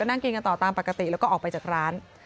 นั่งกินกันต่อตามปกติแล้วก็ออกไปจากร้าน